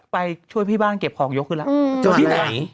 ไปช่วยพี่บ้านเก็บของยกขึ้นแล้วเจอที่ไหน